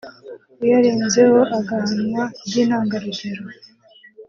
uyarenzeho agahanwa by’intangarugero